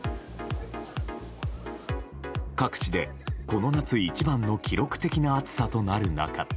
各地で、この夏一番の記録的な暑さとなる中。